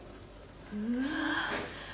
うわ。